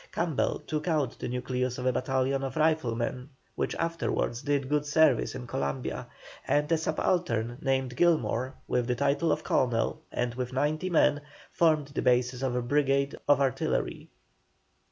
Campbell took out the nucleus of a battalion of riflemen, which afterwards did good service in Columbia; and a subaltern named Gilmour, with the title of Colonel, and with 90 men, formed the basis of a brigade of artillery.